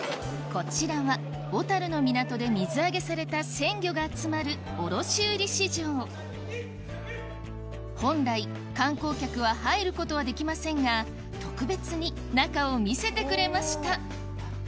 こちらは小樽の港で水揚げされた鮮魚が集まる本来観光客は入ることはできませんが特別に中を見せてくれました